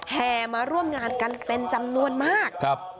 แห่มาร่วมงานกันเป็นจำนวนมาก